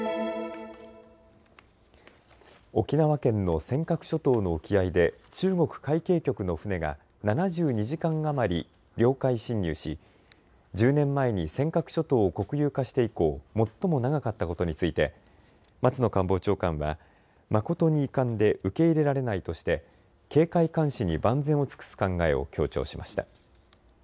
沖縄県の尖閣諸島の沖合で中国海警局の船が７２時間余り領海侵入し１０年前に尖閣諸島を国有化して以降、最も長かったことについて松野官房長官は誠に遺憾で受け入れられないとして警戒監視に万全を尽くす考えを強調しました。